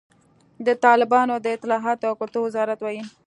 د طالبانو د اطلاعاتو او کلتور وزارت وایي،